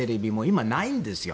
今はないんですよ。